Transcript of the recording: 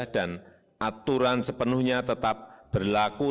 dan aturan sepenuhnya tetap berlaku